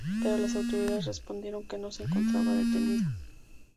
Pero las autoridades respondieron que no se encontraba detenido.